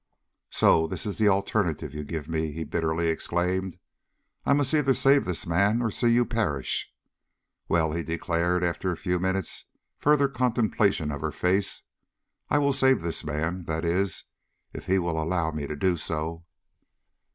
"So this is the alternative you give me?" he bitterly exclaimed. "I must either save this man or see you perish. Well," he declared, after a few minutes' further contemplation of her face, "I will save this man that is, if he will allow me to do so."